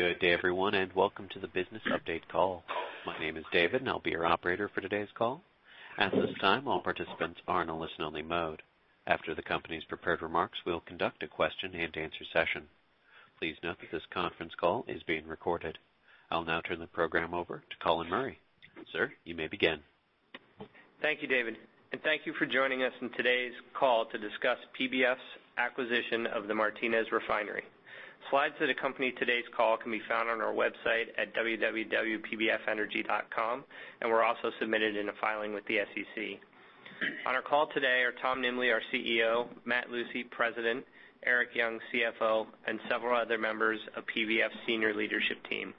Good day everyone. Welcome to the business update call. My name is David and I'll be your operator for today's call. At this time, all participants are in a listen only mode. After the company's prepared remarks, we'll conduct a question and answer session. Please note that this conference call is being recorded. I'll now turn the program over to Colin Murray. Sir, you may begin. Thank you, David. Thank you for joining us on today's call to discuss PBF's acquisition of the Martinez Refinery. Slides that accompany today's call can be found on our website at www.pbfenergy.com, and were also submitted in a filing with the SEC. On our call today are Tom Nimbley, our CEO, Matt Lucey, President, Erik Young, CFO, and several other members of PBF's senior leadership team.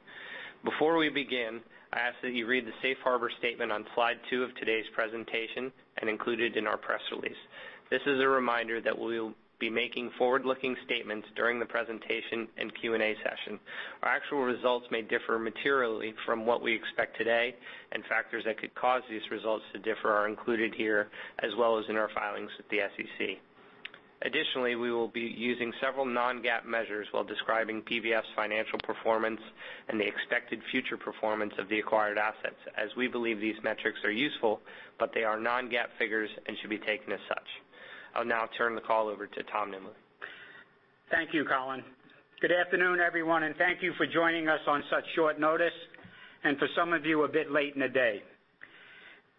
Before we begin, I ask that you read the Safe Harbor statement on slide two of today's presentation and included in our press release. This is a reminder that we will be making forward-looking statements during the presentation and Q&A session. Our actual results may differ materially from what we expect today. Factors that could cause these results to differ are included here as well as in our filings with the SEC. Additionally, we will be using several non-GAAP measures while describing PBF's financial performance and the expected future performance of the acquired assets, as we believe these metrics are useful, but they are non-GAAP figures and should be taken as such. I'll now turn the call over to Tom Nimbley. Thank you, Colin. Good afternoon, everyone. Thank you for joining us on such short notice, and for some of you, a bit late in the day.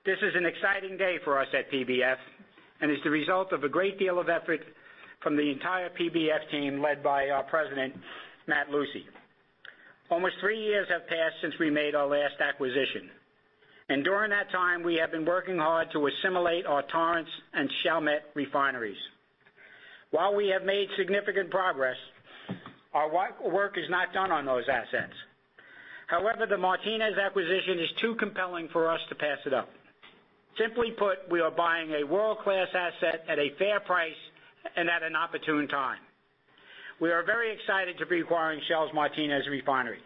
This is an exciting day for us at PBF and is the result of a great deal of effort from the entire PBF team led by our President, Matt Lucey. Almost three years have passed since we made our last acquisition. During that time, we have been working hard to assimilate our Torrance and Chalmette refineries. While we have made significant progress, our work is not done on those assets. However, the Martinez acquisition is too compelling for us to pass it up. Simply put, we are buying a world-class asset at a fair price and at an opportune time. We are very excited to be acquiring Shell's Martinez Refinery.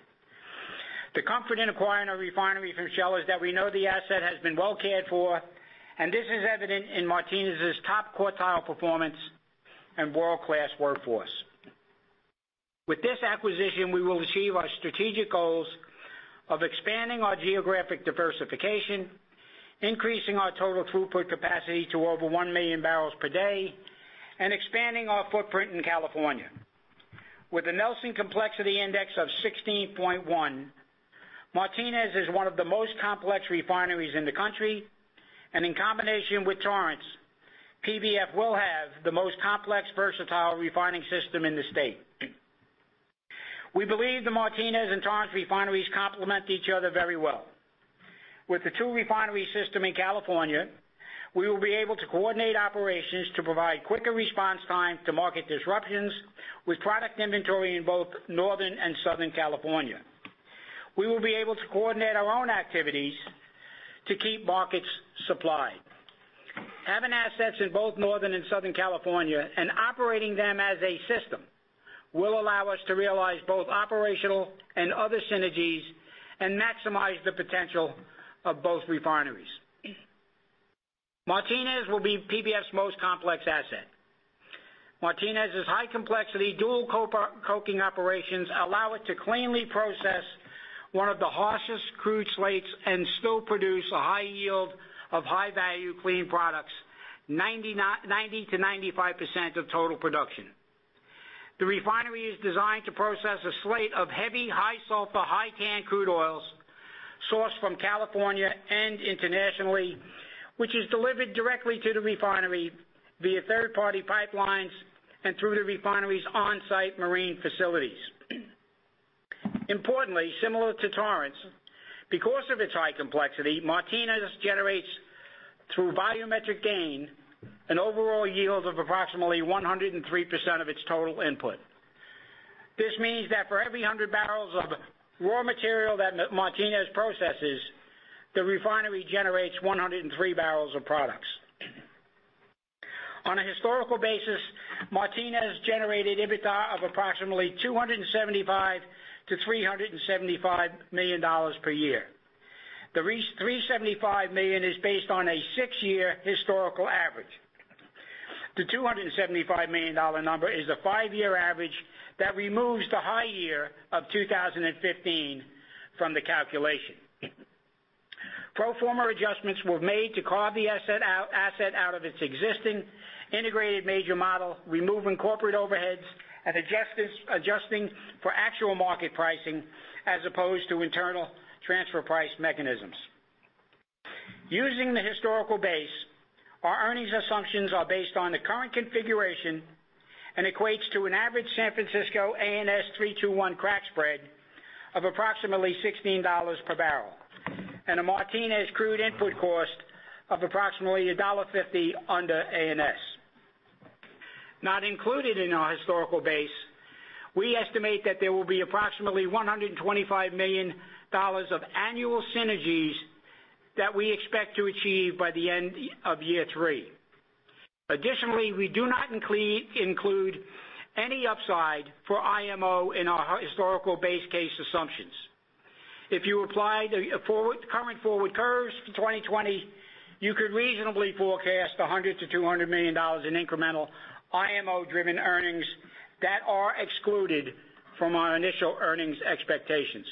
The comfort in acquiring a refinery from Shell is that we know the asset has been well cared for, and this is evident in Martinez's top quartile performance and world-class workforce. With this acquisition, we will achieve our strategic goals of expanding our geographic diversification, increasing our total throughput capacity to over 1 million barrels per day, and expanding our footprint in California. With a Nelson Complexity Index of 16.1, Martinez is one of the most complex refineries in the country, and in combination with Torrance, PBF will have the most complex, versatile refining system in the state. We believe the Martinez and Torrance refineries complement each other very well. With the two refinery system in California, we will be able to coordinate operations to provide quicker response time to market disruptions with product inventory in both Northern and Southern California. We will be able to coordinate our own activities to keep markets supplied. Having assets in both Northern and Southern California and operating them as a system will allow us to realize both operational and other synergies and maximize the potential of both refineries. Martinez will be PBF's most complex asset. Martinez's high complexity dual coking operations allow it to cleanly process one of the harshest crude slates and still produce a high yield of high-value clean products, 90%-95% of total production. The refinery is designed to process a slate of heavy, high sulfur, high tan crude oils sourced from California and internationally, which is delivered directly to the refinery via third-party pipelines and through the refinery's on-site marine facilities. Importantly, similar to Torrance, because of its high complexity, Martinez generates through volumetric gain an overall yield of approximately 103% of its total input. This means that for every 100 barrels of raw material that Martinez processes, the refinery generates 103 barrels of products. On a historical basis, Martinez generated EBITDA of approximately $275 million-$375 million per year. The $375 million is based on a six-year historical average. The $275 million number is a five-year average that removes the high year of 2015 from the calculation. Pro forma adjustments were made to carve the asset out of its existing integrated major model, removing corporate overheads and adjusting for actual market pricing as opposed to internal transfer price mechanisms. Using the historical base, our earnings assumptions are based on the current configuration and equates to an average San Francisco 3-2-1 crack spread of approximately $16 per barrel, and a Martinez crude input cost of approximately $1.50 under ANS. Not included in our historical base, we estimate that there will be approximately $125 million of annual synergies that we expect to achieve by the end of year three. Additionally, we do not include any upside for IMO in our historical base case assumptions. If you apply the current forward curves to 2020, you could reasonably forecast $100 million-$200 million in incremental IMO-driven earnings that are excluded from our initial earnings expectations.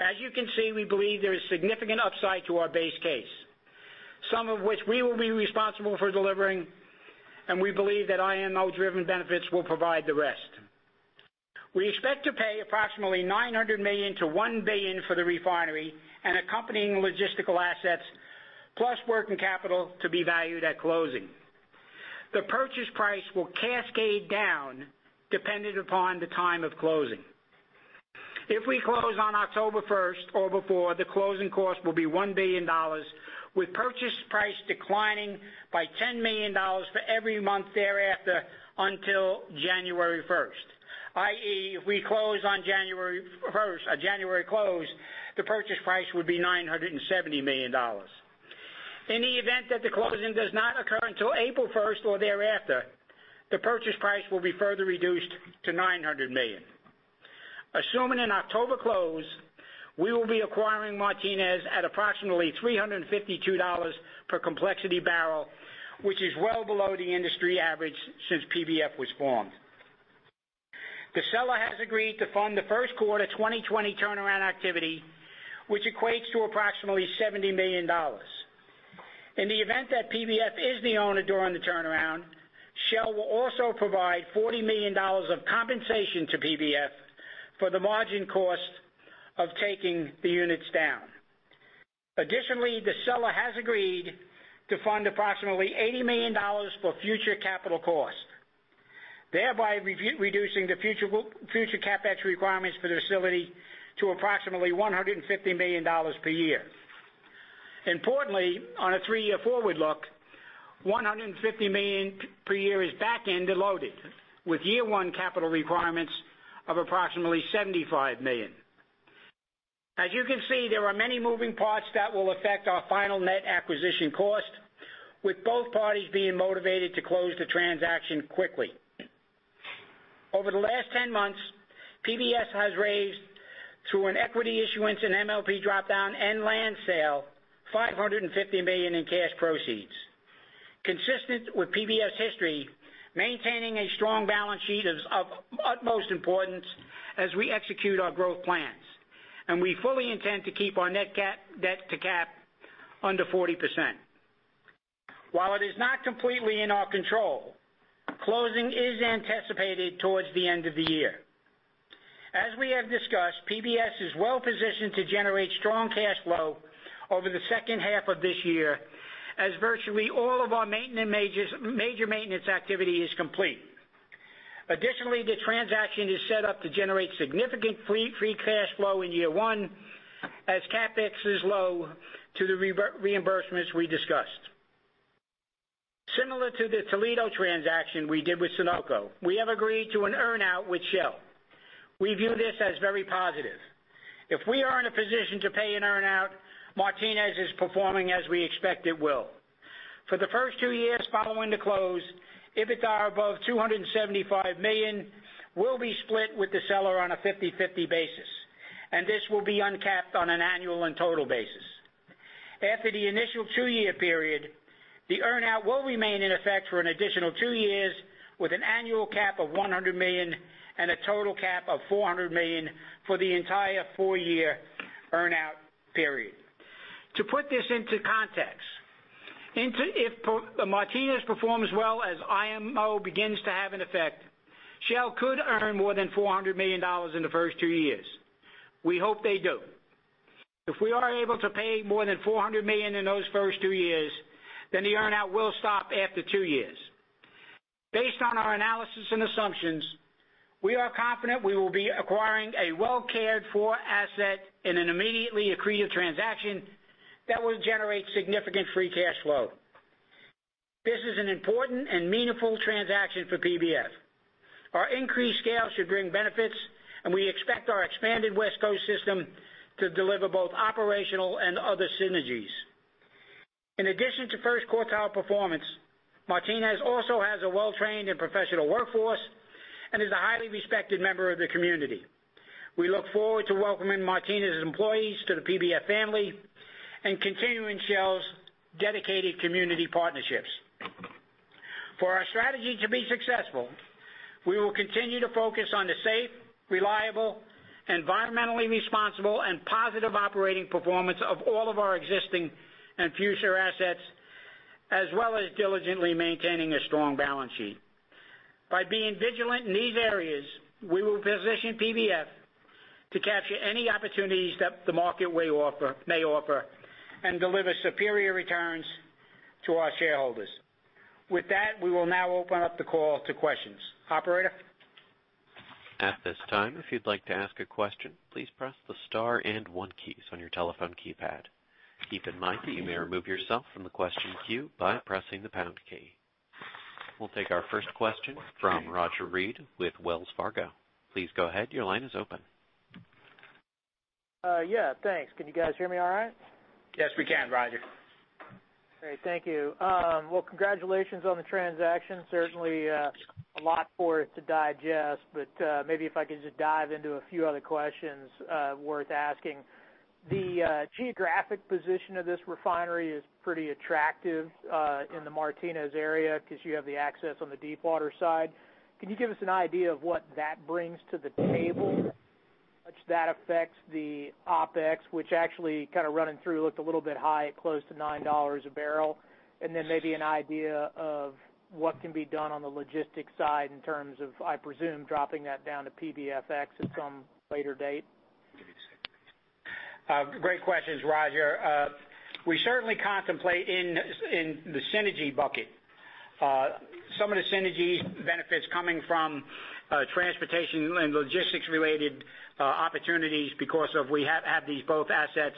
As you can see, we believe there is significant upside to our base case, some of which we will be responsible for delivering, and we believe that IMO-driven benefits will provide the rest. We expect to pay approximately $900 million-$1 billion for the refinery and accompanying logistical assets, plus working capital to be valued at closing. The purchase price will cascade down dependent upon the time of closing. If we close on October 1st or before, the closing cost will be $1 billion with purchase price declining by $10 million for every month thereafter until January 1st, i.e., if we close on January 1st, a January close, the purchase price would be $970 million. In the event that the closing does not occur until April 1st or thereafter, the purchase price will be further reduced to $900 million. Assuming an October close, we will be acquiring Martinez at approximately $352 per complexity barrel, which is well below the industry average since PBF was formed. The seller has agreed to fund the first quarter 2020 turnaround activity, which equates to approximately $70 million. In the event that PBF is the owner during the turnaround, Shell will also provide $40 million of compensation to PBF for the margin cost of taking the units down. The seller has agreed to fund approximately $80 million for future capital costs, thereby reducing the future CapEx requirements for the facility to approximately $150 million per year. Importantly, on a three-year forward look, $150 million per year is back-end loaded with year one capital requirements of approximately $75 million. As you can see, there are many moving parts that will affect our final net acquisition cost, with both parties being motivated to close the transaction quickly. Over the last 10 months, PBF has raised, through an equity issuance, an MLP drop-down, and land sale, $550 million in cash proceeds. Consistent with PBF history, maintaining a strong balance sheet is of utmost importance as we execute our growth plans, and we fully intend to keep our net debt-to-cap under 40%. While it is not completely in our control, closing is anticipated towards the end of the year. We have discussed, PBF is well-positioned to generate strong cash flow over the second half of this year as virtually all of our major maintenance activity is complete. The transaction is set up to generate significant free cash flow in year one as CapEx is low to the reimbursements we discussed. Similar to the Toledo transaction we did with Sunoco, we have agreed to an earn-out with Shell. We view this as very positive. If we are in a position to pay an earn-out, Martinez is performing as we expect it will. For the first two years following the close, EBITDA above $275 million will be split with the seller on a 50/50 basis, and this will be uncapped on an annual and total basis. After the initial two-year period, the earn-out will remain in effect for an additional two years with an annual cap of $100 million and a total cap of $400 million for the entire four-year earn-out period. To put this into context, if Martinez performs well as IMO begins to have an effect, Shell could earn more than $400 million in the first two years. We hope they do. If we are able to pay more than $400 million in those first two years, then the earn-out will stop after two years. Based on our analysis and assumptions, we are confident we will be acquiring a well-cared-for asset in an immediately accretive transaction that will generate significant free cash flow. This is an important and meaningful transaction for PBF. Our increased scale should bring benefits, and we expect our expanded West Coast system to deliver both operational and other synergies. In addition to first quartile performance, Martinez also has a well-trained and professional workforce and is a highly respected member of the community. We look forward to welcoming Martinez's employees to the PBF family and continuing Shell's dedicated community partnerships. For our strategy to be successful, we will continue to focus on the safe, reliable, environmentally responsible, and positive operating performance of all of our existing and future assets, as well as diligently maintaining a strong balance sheet. By being vigilant in these areas, we will position PBF to capture any opportunities that the market may offer and deliver superior returns to our shareholders. With that, we will now open up the call to questions. Operator? At this time, if you'd like to ask a question, please press the star and one keys on your telephone keypad. Keep in mind that you may remove yourself from the question queue by pressing the pound key. We'll take our first question from Roger Read with Wells Fargo. Please go ahead, your line is open. Yeah, thanks. Can you guys hear me all right? Yes, we can, Roger. Great. Thank you. Congratulations on the transaction. Certainly, a lot for it to digest. Maybe if I could just dive into a few other questions worth asking. The geographic position of this refinery is pretty attractive in the Martinez area because you have the access on the deepwater side. Can you give us an idea of what that brings to the table? How much that affects the OpEx, which actually kind of running through looked a little bit high at close to $9 a barrel, and then maybe an idea of what can be done on the logistics side in terms of, I presume, dropping that down to PBFX at some later date? Great questions, Roger. We certainly contemplate in the synergy bucket some of the synergies benefits coming from transportation and logistics-related opportunities because we have these both assets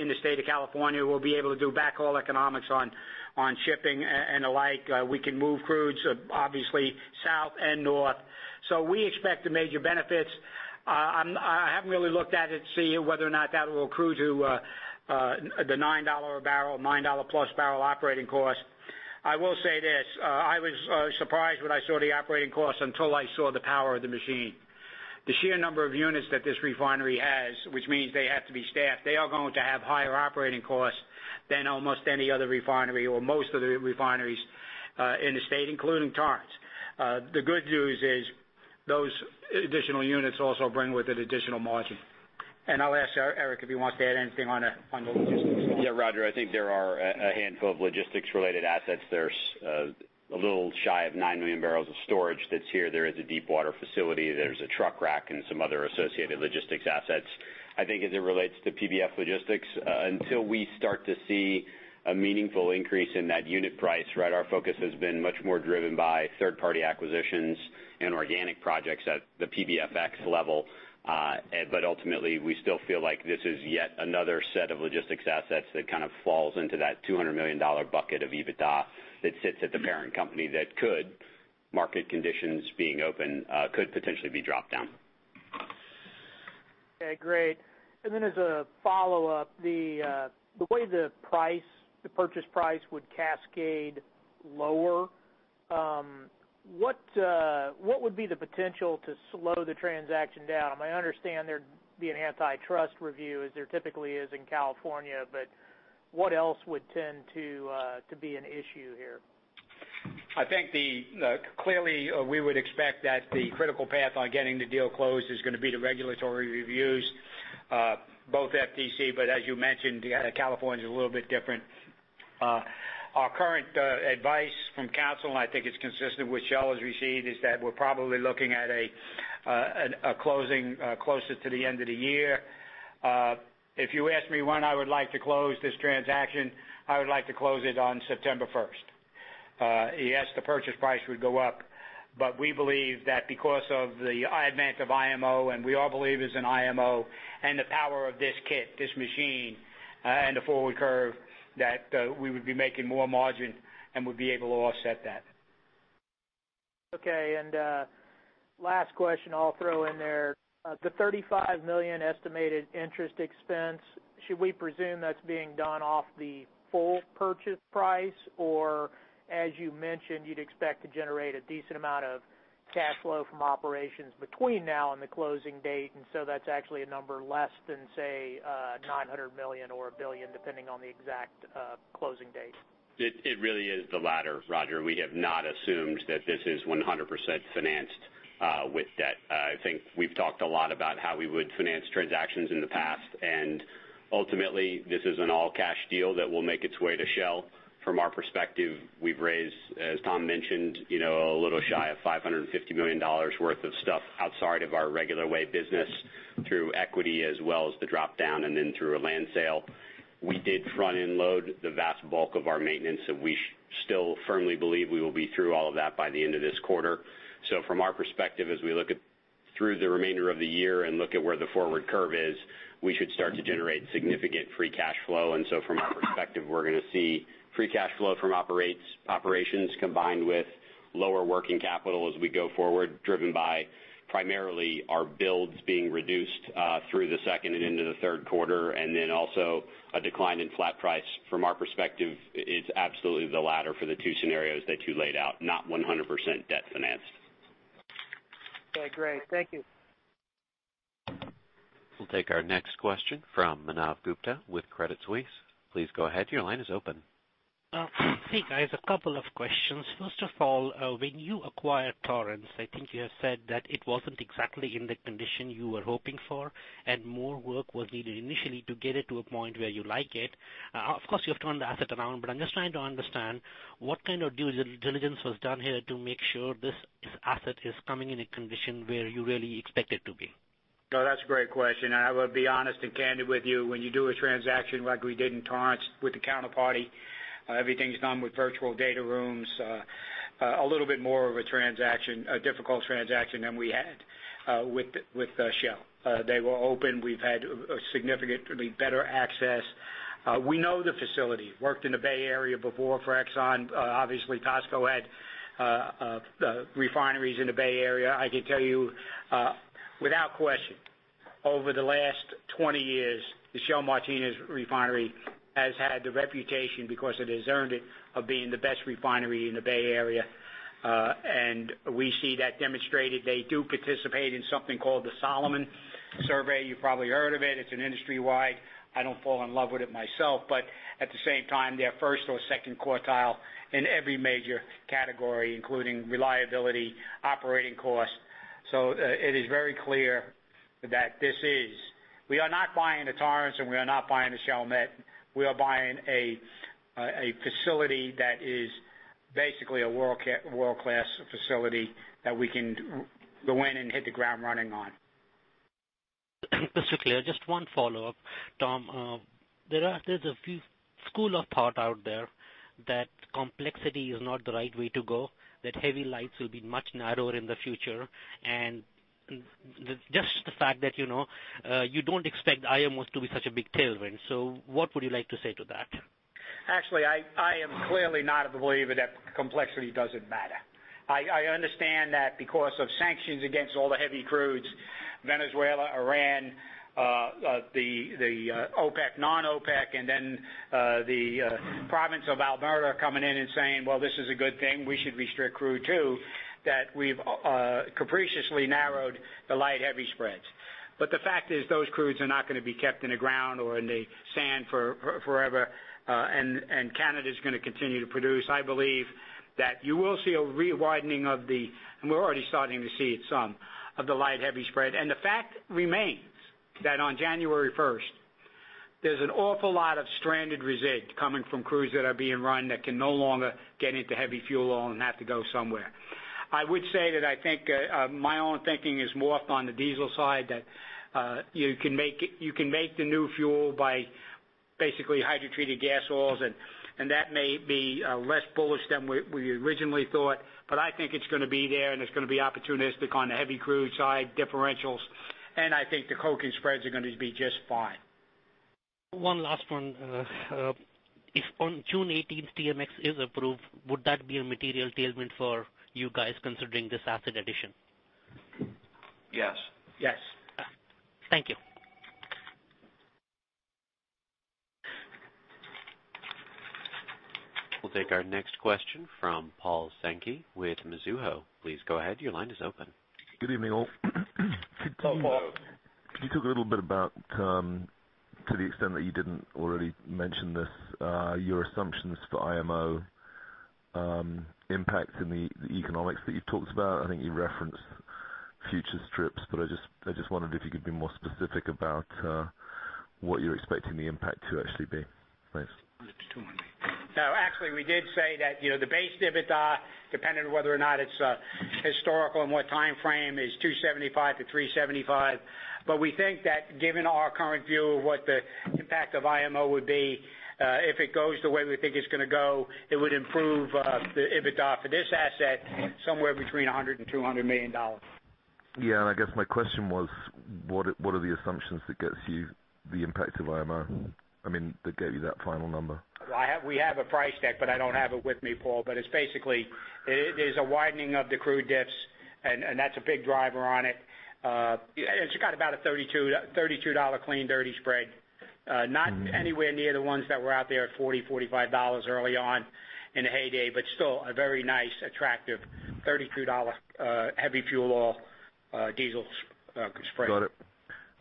in the state of California. We'll be able to do backhaul economics on shipping and the like. We can move crudes, obviously, south and north. We expect major benefits. I haven't really looked at it to see whether or not that will accrue to the $9 or barrel, $9-plus barrel operating cost. I will say this, I was surprised when I saw the operating cost until I saw the power of the machine. The sheer number of units that this refinery has, which means they have to be staffed, they are going to have higher operating costs than almost any other refinery or most of the refineries in the state, including Torrance. The good news is those additional units also bring with it additional margin. I'll ask Erik if he wants to add anything on the logistics. Yeah, Roger, I think there are a handful of logistics-related assets. There's a little shy of nine million barrels of storage that's here. There is a deepwater facility, there's a truck rack, and some other associated logistics assets. I think as it relates to PBF Logistics, until we start to see a meaningful increase in that unit price, our focus has been much more driven by third-party acquisitions and organic projects at the PBFX level. Ultimately, we still feel like this is yet another set of logistics assets that kind of falls into that $200 million bucket of EBITDA that sits at the parent company that could, market conditions being open, could potentially be dropped down. Okay, great. As a follow-up, the way the purchase price would cascade lower, what would be the potential to slow the transaction down? I understand there'd be an antitrust review as there typically is in California, but what else would tend to be an issue here? I think clearly, we would expect that the critical path on getting the deal closed is going to be the regulatory reviews, both FTC, but as you mentioned, California is a little bit different. Our current advice from counsel, and I think it's consistent with Shell has received, is that we're probably looking at a closing closer to the end of the year. If you ask me when I would like to close this transaction, I would like to close it on September 1st. Yes, the purchase price would go up, but we believe that because of the advent of IMO, and we all believe it's an IMO and the power of this kit, this machine, and the forward curve, that we would be making more margin and would be able to offset that. Okay, last question I'll throw in there. The $35 million estimated interest expense, should we presume that's being done off the full purchase price? Or as you mentioned, you'd expect to generate a decent amount of cash flow from operations between now and the closing date, so that's actually a number less than, say, $900 million or $1 billion, depending on the exact closing date? It really is the latter, Roger. We have not assumed that this is 100% financed with debt. I think we've talked a lot about how we would finance transactions in the past, ultimately, this is an all-cash deal that will make its way to Shell. From our perspective, we've raised, as Tom mentioned, a little shy of $550 million worth of stuff outside of our regular way business through equity as well as the dropdown, then through a land sale. We did front-end load the vast bulk of our maintenance, we still firmly believe we will be through all of that by the end of this quarter. From our perspective, as we look through the remainder of the year and look at where the forward curve is, we should start to generate significant free cash flow. From our perspective, we're going to see free cash flow from operations combined with lower working capital as we go forward, driven by primarily our builds being reduced through the second and into the third quarter, also a decline in flat price. From our perspective, it's absolutely the latter for the two scenarios that you laid out, not 100% debt financed. Okay, great. Thank you. We'll take our next question from Manav Gupta with Credit Suisse. Please go ahead. Your line is open. Hey, guys, a couple of questions. First of all, when you acquired Torrance, I think you have said that it wasn't exactly in the condition you were hoping for, and more work was needed initially to get it to a point where you like it. Of course, you have turned the asset around, but I'm just trying to understand what kind of due diligence was done here to make sure this asset is coming in a condition where you really expect it to be? No, that's a great question. I will be honest and candid with you. When you do a transaction like we did in Torrance with the counterparty, everything's done with virtual data rooms. A little bit more of a difficult transaction than we had with Shell. They were open. We've had a significantly better access. We know the facility. Worked in the Bay Area before for Exxon. Obviously, Tosco had refineries in the Bay Area. I can tell you without question. Over the last 20 years, the Shell Martinez Refinery has had the reputation, because it has earned it, of being the best refinery in the Bay Area. We see that demonstrated. They do participate in something called the Solomon Survey. You've probably heard of it. It's an industry-wide. I don't fall in love with it myself, but at the same time, they are first or second quartile in every major category, including reliability, operating cost. It is very clear that this is We are not buying a Torrance and we are not buying a Chalmette. We are buying a facility that is basically a world-class facility that we can go in and hit the ground running on. This is clear. Just one follow-up, Tom. There's a few school of thought out there that complexity is not the right way to go, that heavy lights will be much narrower in the future, and just the fact that you don't expect IMO to be such a big tailwind. What would you like to say to that? Actually, I am clearly not a believer that complexity doesn't matter. I understand that because of sanctions against all the heavy crudes, Venezuela, Iran, the OPEC, non-OPEC, and then the province of Alberta coming in and saying, "Well, this is a good thing. We should restrict crude, too." That we've capriciously narrowed the light-heavy spreads. The fact is, those crudes are not going to be kept in the ground or in the sand forever. Canada's going to continue to produce. I believe that you will see a re-widening of the. We're already starting to see some of the light-heavy spread. The fact remains that on January 1st, there's an awful lot of stranded resid coming from crudes that are being run that can no longer get into heavy fuel oil and have to go somewhere. I would say that I think, my own thinking is more on the diesel side, that you can make the new fuel by basically hydrotreated gas oils, and that may be less bullish than we originally thought, but I think it's going to be there and it's going to be opportunistic on the heavy crude side differentials, and I think the coking spreads are going to be just fine. One last one. If on June 18th, TMX is approved, would that be a material tailwind for you guys considering this asset addition? Yes. Yes. Thank you. We'll take our next question from Paul Sankey with Mizuho. Please go ahead. Your line is open. Good evening, all. Hello, Paul. Can you talk a little bit about, to the extent that you didn't already mention this, your assumptions for IMO impact in the economics that you've talked about? I think you referenced future strips, but I just wondered if you could be more specific about what you're expecting the impact to actually be. Thanks. Actually, we did say that, the base EBITDA, depending on whether or not it's historical and what time frame, is $275 million-$375 million. We think that given our current view of what the impact of IMO would be, if it goes the way we think it's going to go, it would improve the EBITDA for this asset somewhere between $100 million and $200 million. Yeah, I guess my question was, what are the assumptions that gets you the impact of IMO? I mean, that get you that final number. We have a price tag, I don't have it with me, Paul, it's basically, there's a widening of the crude dips, that's a big driver on it. It's got about a $32 clean-dirty spread. Not anywhere near the ones that were out there at $40, $45 early on in the heyday, still a very nice, attractive $32 heavy fuel oil diesel spread.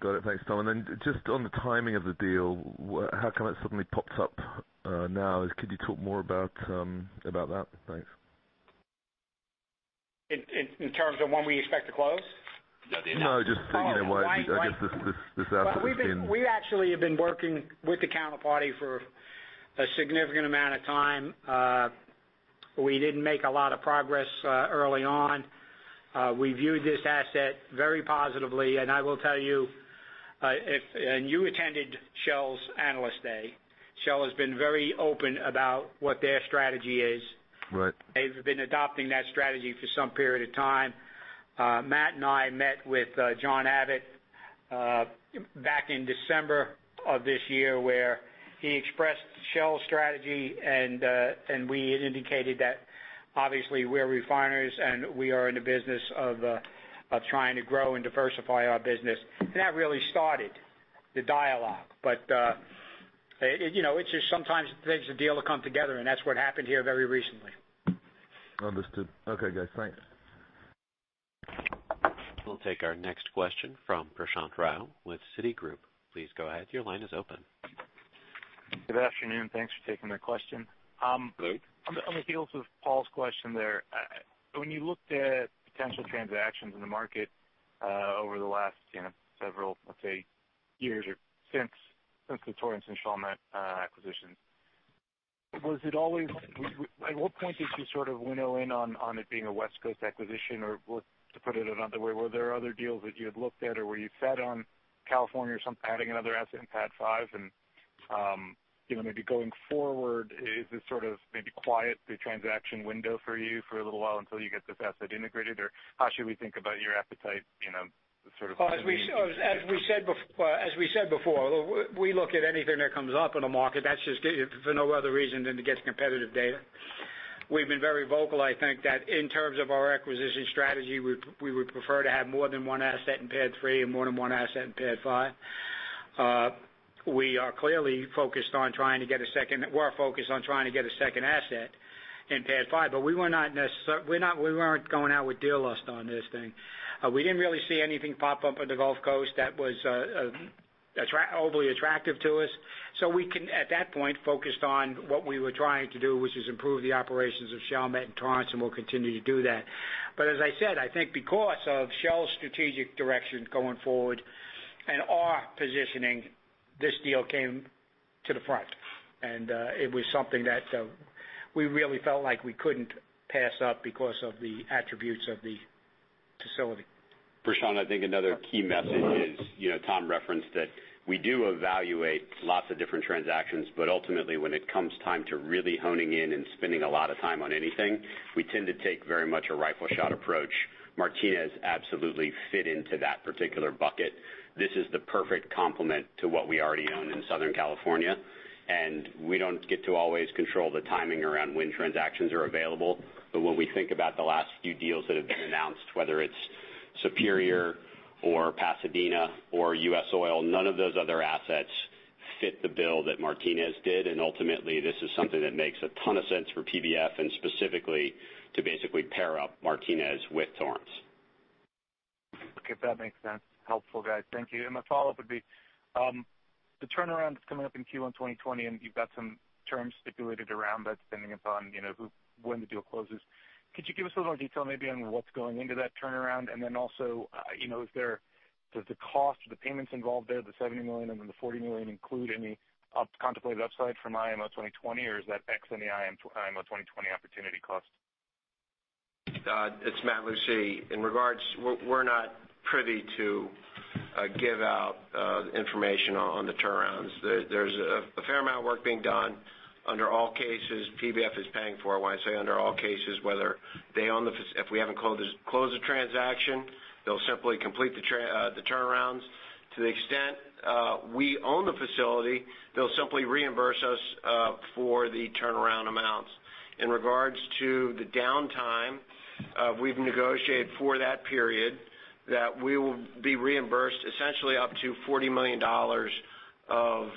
Got it. Thanks, Tom. Just on the timing of the deal, how come it suddenly pops up now? Could you talk more about that? Thanks. In terms of when we expect to close? No, just in why- Why- I guess this asset's been- We actually have been working with the counterparty for a significant amount of time. We didn't make a lot of progress early on. We viewed this asset very positively, and I will tell you, if and you attended Shell's Analyst Day, Shell has been very open about what their strategy is. Right. They've been adopting that strategy for some period of time. Matt and I met with John Abbott back in December of this year, where he expressed Shell's strategy, and we indicated that obviously we're refiners, and we are in the business of trying to grow and diversify our business. That really started the dialogue. It's just sometimes it takes a deal to come together, and that's what happened here very recently. Understood. Okay, guys. Thanks. We'll take our next question from Prashant Rao with Citigroup. Please go ahead. Your line is open. Good afternoon. Thanks for taking the question. Hello. On the heels of Paul's question there, when you looked at potential transactions in the market over the last several, let's say, years or since the Torrance and Chalmette acquisition. At what point did you sort of winnow in on it being a West Coast acquisition? Or to put it another way, were there other deals that you had looked at or were you set on California or something, adding another asset in PADD 5? Maybe going forward, is this sort of maybe quiet the transaction window for you for a little while until you get this asset integrated? Or how should we think about your appetite, sort of As we said As we said before, we look at anything that comes up in the market, that's just for no other reason than to get competitive data. We've been very vocal, I think that in terms of our acquisition strategy, we would prefer to have more than one asset in PADD 3 and more than one asset in PADD 5. We are clearly focused on trying to get a second asset in PADD 5, but we weren't going out with deal lust on this thing. We didn't really see anything pop up on the Gulf Coast that was overly attractive to us. We at that point, focused on what we were trying to do, which is improve the operations of Chalmette and Torrance, and we'll continue to do that. As I said, I think because of Shell's strategic direction going forward and our positioning, this deal came to the front. It was something that we really felt like we couldn't pass up because of the attributes of the facility. Prashant, I think another key message is, Tom referenced that we do evaluate lots of different transactions, ultimately, when it comes time to really honing in and spending a lot of time on anything, we tend to take very much a rifle shot approach. Martinez absolutely fit into that particular bucket. This is the perfect complement to what we already own in Southern California, and we don't get to always control the timing around when transactions are available. When we think about the last few deals that have been announced, whether it's Superior or Pasadena or U.S. Oil, none of those other assets fit the bill that Martinez did. Ultimately, this is something that makes a ton of sense for PBF and specifically to basically pair up Martinez with Torrance. Okay. That makes sense. Helpful, guys. Thank you. My follow-up would be, the turnaround that's coming up in Q1 2020, you've got some terms stipulated around that depending upon when the deal closes. Could you give us a little detail maybe on what's going into that turnaround? Does the cost or the payments involved there, the $70 million and then the $40 million include any contemplated upside from IMO 2020? Or is that X in the IMO 2020 opportunity cost? It's Matt Lucey. In regards, we're not privy to give out information on the turnarounds. There's a fair amount of work being done under all cases PBF is paying for. When I say under all cases, if we haven't closed the transaction, they'll simply complete the turnarounds. To the extent we own the facility, they'll simply reimburse us for the turnaround amounts. In regards to the downtime, we've negotiated for that period that we will be reimbursed essentially up to $40 million of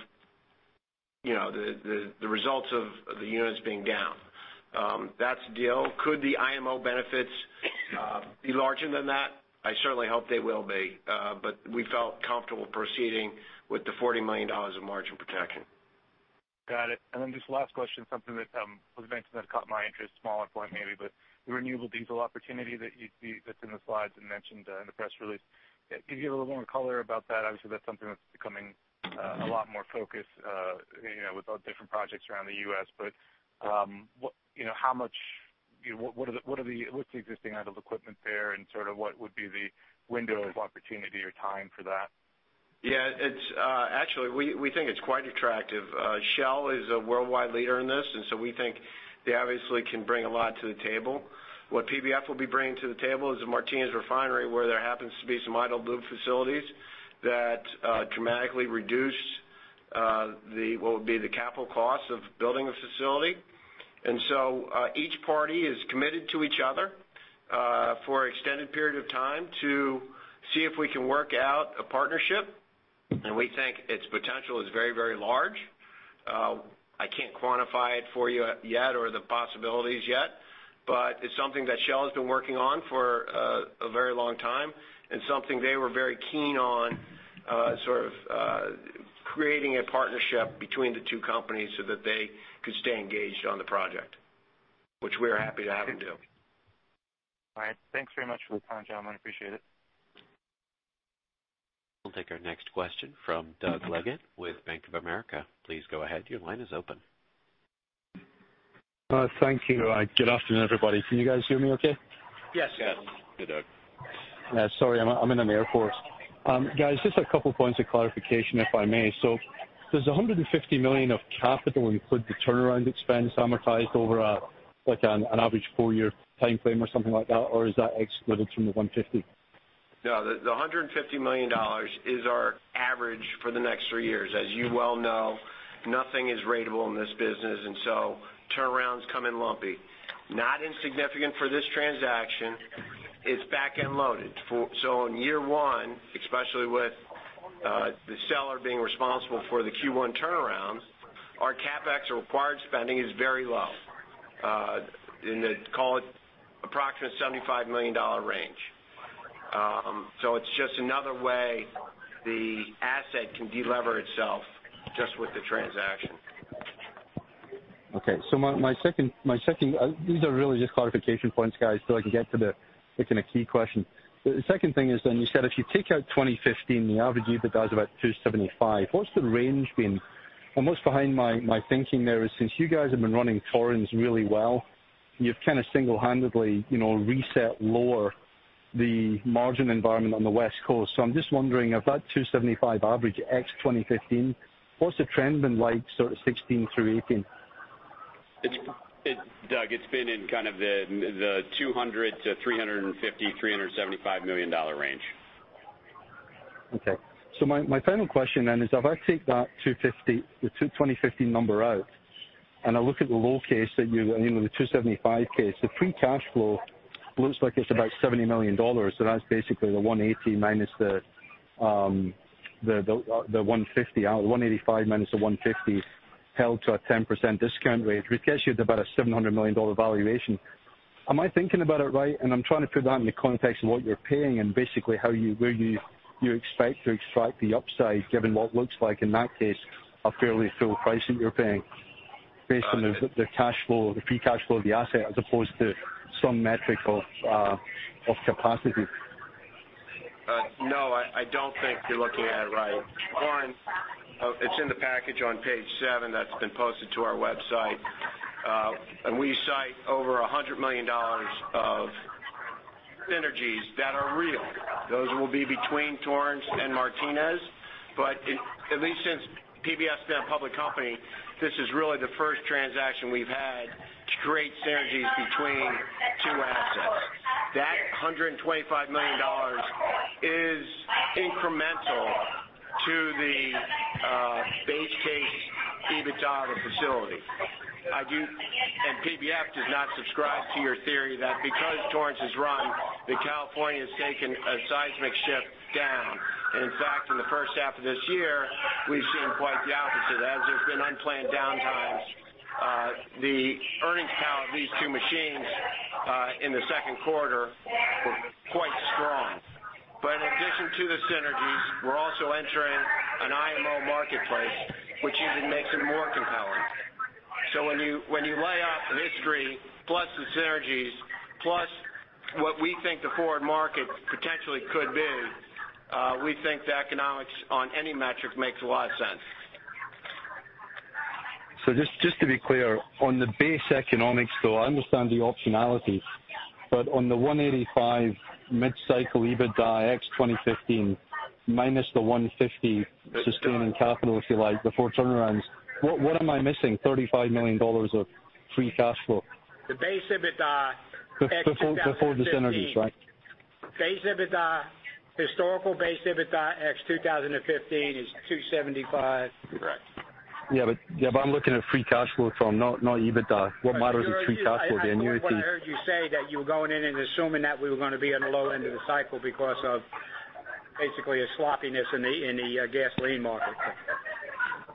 the results of the units being down. That's the deal. Could the IMO benefits be larger than that? I certainly hope they will be. We felt comfortable proceeding with the $40 million of margin protection. Got it. Just last question, something that was mentioned that caught my interest, smaller point maybe, but the renewable diesel opportunity that's in the slides and mentioned in the press release. Can you give a little more color about that? Obviously, that's something that's becoming a lot more focused with all the different projects around the U.S. What's the existing idle equipment there and sort of what would be the window of opportunity or time for that? Yeah. Actually, we think it's quite attractive. Shell is a worldwide leader in this, we think they obviously can bring a lot to the table. What PBF will be bringing to the table is a Martinez refinery where there happens to be some idle bulk facilities that dramatically reduce what would be the capital cost of building a facility. Each party is committed to each other, for extended period of time to see if we can work out a partnership, we think its potential is very, very large. I can't quantify it for you yet or the possibilities yet, but it's something that Shell has been working on for a very long time and something they were very keen on, sort of creating a partnership between the two companies so that they could stay engaged on the project, which we are happy to have them do. All right. Thanks very much for the time, gentlemen. I appreciate it. We'll take our next question from Doug Leggate with Bank of America. Please go ahead. Your line is open. Thank you. Good afternoon, everybody. Can you guys hear me okay? Yes. Sorry, I'm in an airport. Guys, just a couple points of clarification, if I may. Does $150 million of capital include the turnaround expense amortized over an average four-year timeframe or something like that? Or is that excluded from the $150? No, the $150 million is our average for the next three years. As you well know, nothing is ratable in this business, turnarounds come in lumpy. Not insignificant for this transaction. It's back-end loaded. In year one, especially with the seller being responsible for the Q1 turnarounds, our CapEx or required spending is very low. Call it approximate $75 million range. It's just another way the asset can de-lever itself just with the transaction. Okay. These are really just clarification points, guys, I can get to the key question. The second thing is you said if you take out 2015, the average EBITDA is about $275 million. What's the range been? And what's behind my thinking there is since you guys have been running Torrance really well, you've kind of single-handedly reset lower the margin environment on the West Coast. I'm just wondering if that $275 million average ex 2015, what's the trend been like sort of 2016 through 2018? Doug, it's been in kind of the $200 million to $350 million, $375 million range. Okay, my final question is, if I take that 2015 number out and I look at the low case the 275 case, the free cash flow looks like it's about $70 million. That's basically the 185 minus the 150 held to a 10% discount rate, which gets you to about a $700 million valuation. Am I thinking about it right? I'm trying to put that in the context of what you're paying and basically where you expect to extract the upside, given what looks like, in that case, a fairly full price that you're paying based on the cash flow, the free cash flow of the asset, as opposed to some metric of capacity. No, I don't think you're looking at it right. One, it's in the package on page seven that's been posted to our website. We cite over $100 million of synergies that are real. Those will be between Torrance and Martinez. At least since PBF's been a public company, this is really the first transaction we've had to create synergies between two assets. That $125 million is incremental to the base case EBITDA of a facility. PBF does not subscribe to your theory that because Torrance is run, that California's taken a seismic shift down. In fact, in the first half of this year, we've seen quite the opposite. As there's been unplanned downtimes, the earnings power of these two machines in the second quarter were quite strong. In addition to the synergies, we're also entering an IMO marketplace, which even makes it more compelling. When you lay out history plus the synergies, plus what we think the forward market potentially could be, we think the economics on any metric makes a lot of sense. Just to be clear, on the base economics, though, I understand the optionality, but on the 185 mid-cycle EBITDA ex 2015 minus the 150 sustaining capital, if you like, before turnarounds, what am I missing? $35 million of free cash flow. The base EBITDA ex 2015. Before the synergies, right? Base EBITDA, historical base EBITDA ex 2015 is $275. Correct. Yeah, I'm looking at free cash flow, Tom, not EBITDA. What matters is free cash flow, the annuity. What I heard you say that you were gonna be on the low end of the cycle because of basically a sloppiness in the gasoline market.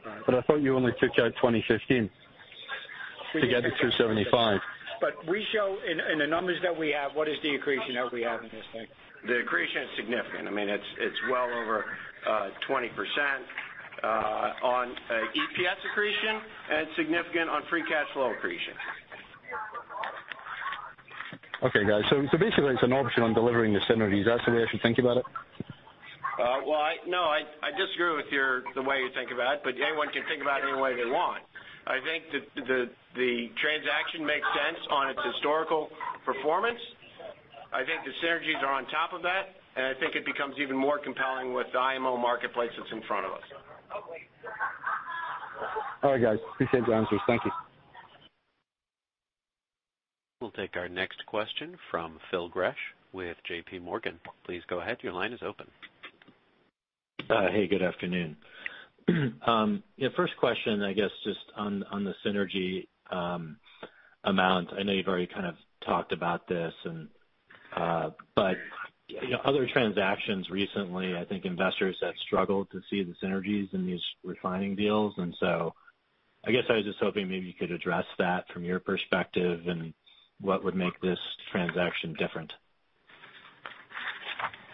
I thought you only took out 2015 to get the 275. We show in the numbers that we have, what is the accretion that we have in this thing? The accretion is significant. It is well over 20% on EPS accretion and significant on free cash flow accretion. Okay, guys. Basically, it's an option on delivering the synergies. That's the way I should think about it? Well, no, I disagree with the way you think about it, but anyone can think about it any way they want. I think the transaction makes sense on its historical performance. I think the synergies are on top of that, and I think it becomes even more compelling with the IMO marketplace that's in front of us. All right, guys. Appreciate the answers. Thank you. We'll take our next question from Phil Gresh with J.P. Morgan. Please go ahead. Your line is open. Hey, good afternoon. First question, I guess, just on the synergy amount. I know you've already kind of talked about this. Other transactions recently, I think investors have struggled to see the synergies in these refining deals. I guess I was just hoping maybe you could address that from your perspective and what would make this transaction different.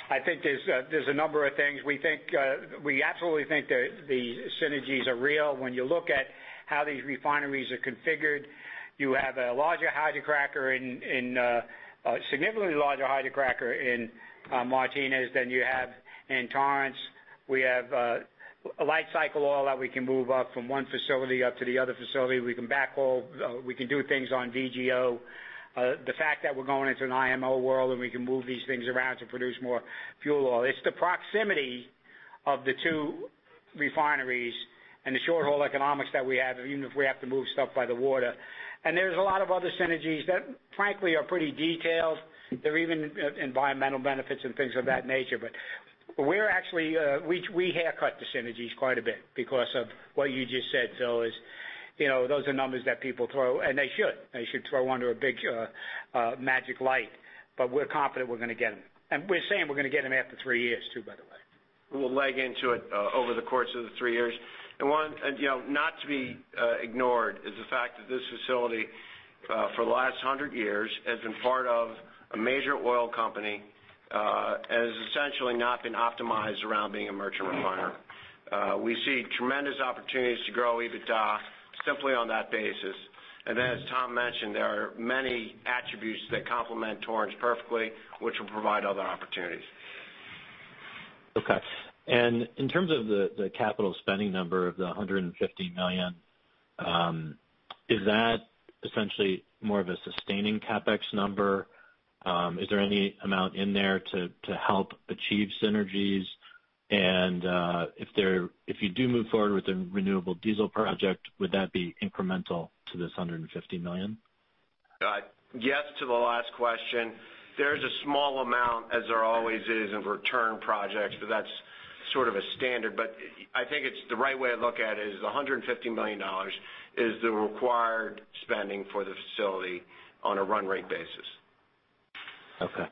I think there's a number of things. We absolutely think the synergies are real. When you look at how these refineries are configured, you have a larger hydrocracker, a significantly larger hydrocracker in Martinez than you have in Torrance. We have a light cycle oil that we can move up from one facility up to the other facility. We can backhaul. We can do things on VGO. The fact that we're going into an IMO world and we can move these things around to produce more fuel oil. It's the proximity of the two refineries and the short-haul economics that we have, even if we have to move stuff by the water. There's a lot of other synergies that, frankly, are pretty detailed. There are even environmental benefits and things of that nature. But we're actually we haircut the synergies quite a bit because of what you just said, Phil, is those are numbers that people throw, and they should. They should throw under a big magic light. We're confident we're gonna get them. We're saying we're gonna get them after three years, too, by the way. We'll leg into it over the course of the three years. One, not to be ignored is the fact that this facility, for the last 100 years, has been part of a major oil company, and has essentially not been optimized around being a merchant refiner. We see tremendous opportunities to grow EBITDA simply on that basis. As Tom mentioned, there are many attributes that complement Torrance perfectly, which will provide other opportunities. Okay. In terms of the capital spending number of the $150 million, is that essentially more of a sustaining CapEx number? Is there any amount in there to help achieve synergies? And if you do move forward with the renewable diesel project, would that be incremental to this $150 million? Yes to the last question. There is a small amount, as there always is, in return projects, but that's sort of a standard. I think the right way to look at it is $150 million is the required spending for the facility on a run rate basis. Okay.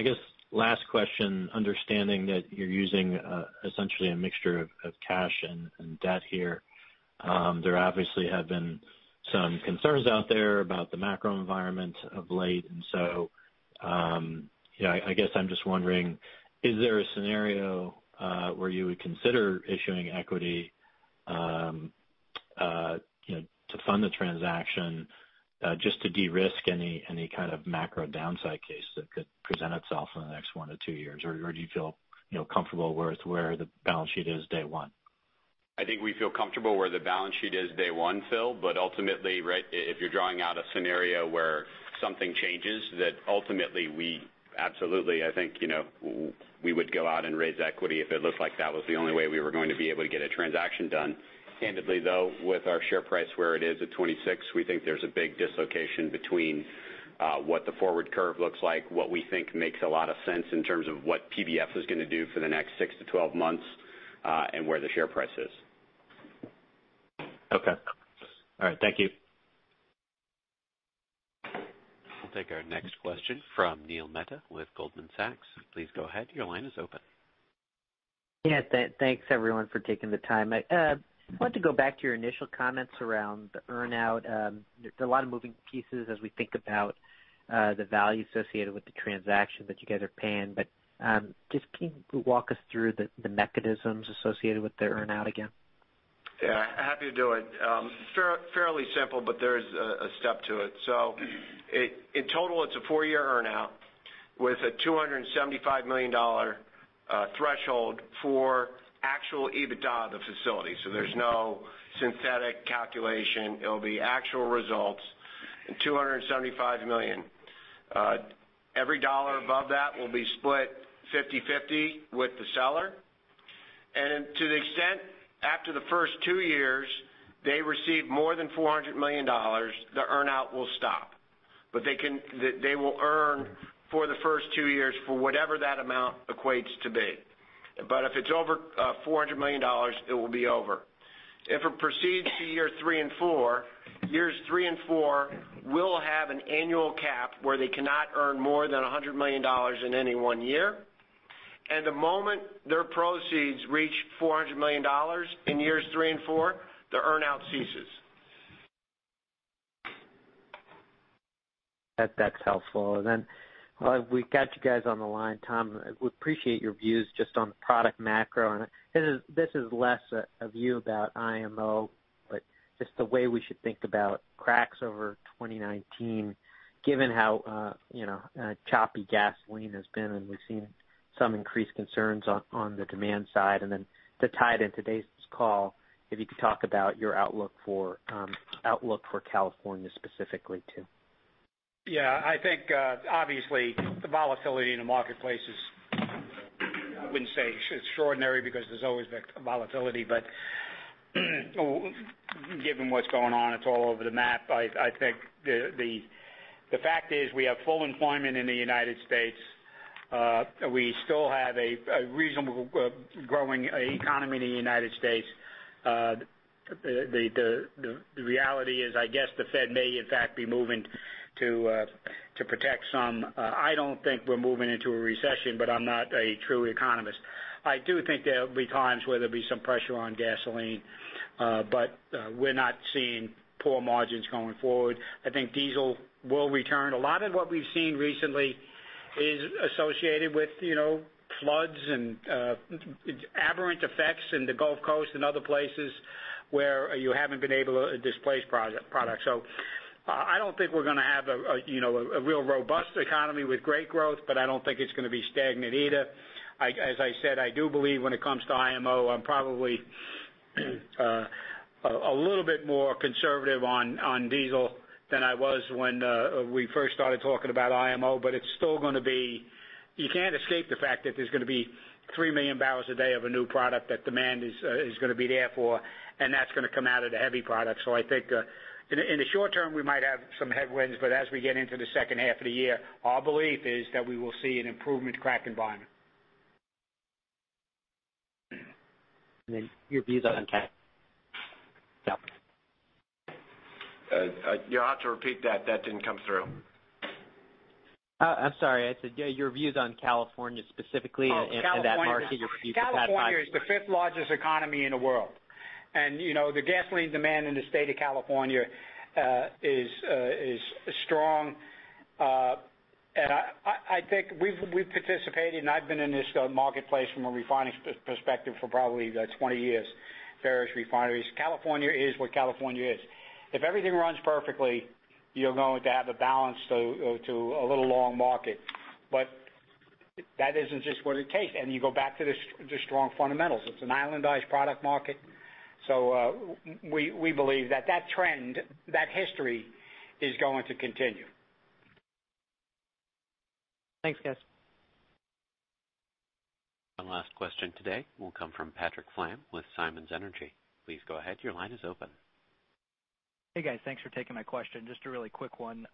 I guess last question, understanding that you're using essentially a mixture of cash and debt here, there obviously have been some concerns out there about the macro environment of late. I guess I'm just wondering, is there a scenario where you would consider issuing equity to fund the transaction just to de-risk any kind of macro downside case that could present itself in the next one to two years? Or do you feel comfortable with where the balance sheet is day one? I think we feel comfortable where the balance sheet is day one, Phil. Ultimately, if you're drawing out a scenario where something changes, that ultimately, we absolutely, I think, we would go out and raise equity if it looked like that was the only way we were going to be able to get a transaction done. Candidly, though, with our share price where it is at 26, we think there's a big dislocation between what the forward curve looks like, what we think makes a lot of sense in terms of what PBF is going to do for the next six to 12 months, and where the share price is. Okay. All right. Thank you. We'll take our next question from Neil Mehta with Goldman Sachs. Please go ahead. Your line is open. Yeah, thanks, everyone, for taking the time. I want to go back to your initial comments around the earn-out. There are a lot of moving pieces as we think about the value associated with the transaction that you guys are paying. Just can you walk us through the mechanisms associated with the earn-out again? Yeah, happy to do it. Fairly simple, but there's a step to it. In total, it's a four-year earn-out with a $275 million threshold for actual EBITDA of the facility. There's no synthetic calculation. It'll be actual results and $275 million. Every dollar above that will be split 50/50 with the seller. To the extent, after the first two years, they receive more than $400 million, the earn-out will stop. They will earn for the first two years for whatever that amount equates to be. If it's over $400 million, it will be over. If it proceeds to year three and four, years three and four will have an annual cap where they cannot earn more than $100 million in any one year. The moment their proceeds reach $400 million in years three and four, the earn-out ceases. That's helpful. While we got you guys on the line, Tom, we appreciate your views just on the product macro. This is less a view about IMO, but just the way we should think about cracks over 2019, given how choppy gasoline has been, and we've seen some increased concerns on the demand side. Then to tie it in today's call, if you could talk about your outlook for California specifically too. Yeah, I think, obviously, the volatility in the marketplace is, I wouldn't say extraordinary because there's always volatility, but given what's going on, it's all over the map. I think the fact is we have full employment in the United States. We still have a reasonably growing economy in the United States. The reality is, I guess the Fed may, in fact, be moving to protect some I don't think we're moving into a recession, but I'm not a true economist. I do think there'll be times where there'll be some pressure on gasoline, but we're not seeing poor margins going forward. I think diesel will return. A lot of what we've seen recently is associated with floods and aberrant effects in the Gulf Coast and other places where you haven't been able to displace product. I don't think we're gonna have a real robust economy with great growth, but I don't think it's gonna be stagnant either. As I said, I do believe when it comes to IMO, I'm probably a little bit more conservative on diesel than I was when we first started talking about IMO. You can't escape the fact that there's gonna be 3 million barrels a day of a new product that demand is gonna be there for, and that's gonna come out of the heavy product. I think in the short term, we might have some headwinds, but as we get into the second half of the year, our belief is that we will see an improvement in crack environment. Your views on Cal-- Yeah. You'll have to repeat that. That didn't come through. I'm sorry. I said your views on California specifically and that margin. Oh, California. California is the fifth largest economy in the world. The gasoline demand in the state of California is strong. I think we've participated, and I've been in this marketplace from a refining perspective for probably 20 years. Various refineries. California is what California is. If everything runs perfectly, you're going to have a balance to a little long market. That isn't just what it takes. You go back to the strong fundamentals. It's an islandized product market. We believe that trend, that history, is going to continue. Thanks, guys. One last question today will come from Patrick Flam with Simmons Energy. Please go ahead. Your line is open. Hey, guys. Thanks for taking my question. Just a really quick one.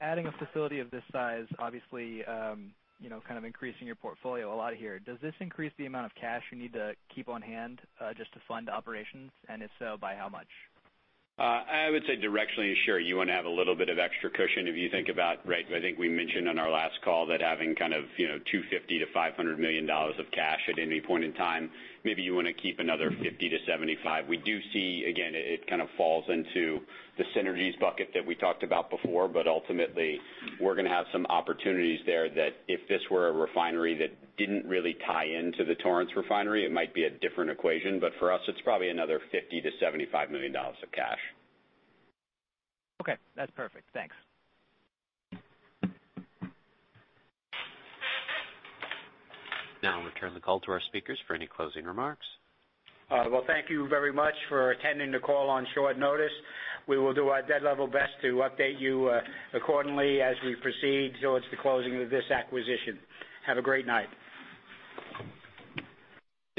Adding a facility of this size, obviously, kind of increasing your portfolio a lot here. Does this increase the amount of cash you need to keep on hand just to fund operations? If so, by how much? I would say directionally, sure. You want to have a little bit of extra cushion if you think about Right? I think we mentioned on our last call that having $250 million-$500 million of cash at any point in time, maybe you want to keep another $50 million-$75 million. We do see, again, it kind of falls into the synergies bucket that we talked about before. Ultimately, we're gonna have some opportunities there that if this were a refinery that didn't really tie into the Torrance Refinery, it might be a different equation. For us, it's probably another $50 million-$75 million of cash. Okay, that's perfect. Thanks. Now I'll return the call to our speakers for any closing remarks. Well, thank you very much for attending the call on short notice. We will do our dead level best to update you accordingly as we proceed towards the closing of this acquisition. Have a great night.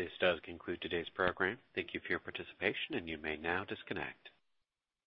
This does conclude today's program. Thank you for your participation, and you may now disconnect.